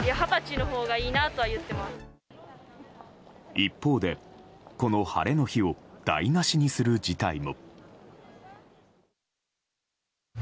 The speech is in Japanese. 一方で、この晴れの日を台無しにする事態も。